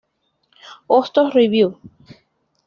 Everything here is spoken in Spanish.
Hostos Review.